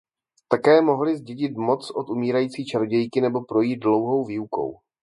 Také mohly zdědit moc od umírající čarodějky nebo projít dlouhou výukou.